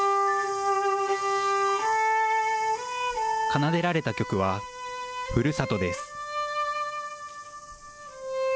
奏でられた曲はふるさとです。